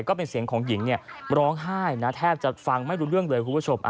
ก็เป็นเสียงของหญิงร้องไห้นะแทบจะฟังไม่รู้เรื่องเลยคุณผู้ชม